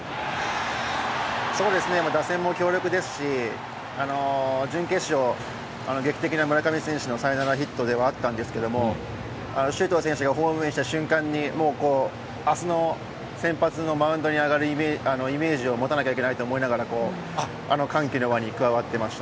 そうですね、打線も強力ですし、準決勝、劇的な村上選手のサヨナラヒットではあったんですけれども、周東選手がホームインした瞬間に、もう、あすの先発のマウンドに上がるイメージを持たなきゃいけないと思いながら、歓喜の輪に加わってました。